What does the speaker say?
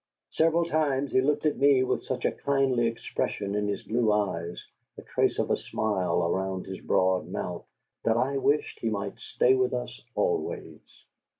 Several times he looked at me with such a kindly expression in his blue eyes, a trace of a smile around his broad mouth, that I wished he might stay with us always.